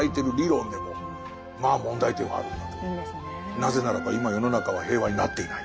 なぜならば今世の中は平和になっていない。